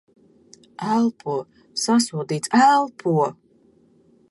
Elpo. Sasodīts. Elpo!